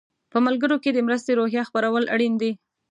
په ملګرو کې د مرستې روحیه خپرول اړین دي.